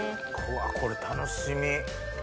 これ楽しみ。